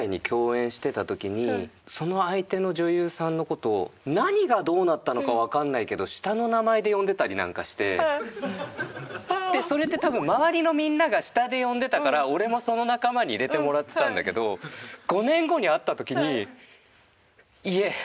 その相手の女優さんの事を何がどうなったのかわかんないけどそれって多分周りのみんなが下で呼んでたから俺もその仲間に入れてもらってたんだけど５年後に会った時に言え。